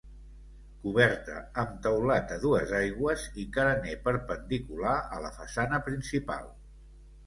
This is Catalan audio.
Coberta amb teulat a dues aigües i carener perpendicular a la façana principal.